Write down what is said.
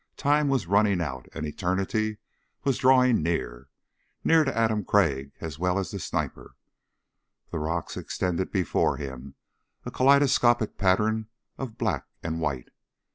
Time was running out and eternity was drawing near near to Adam Crag as well as the sniper. The rocks extended before him, a kaleidoscopic pattern of black and white.